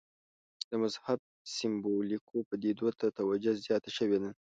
د مذهب سېمبولیکو پدیدو ته توجه زیاته شوې ده.